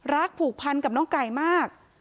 ผูกพันกับน้องไก่มาก